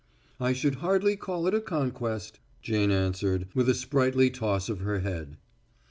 "I should hardly call it a conquest," Jane answered, with a sprightly toss of her head.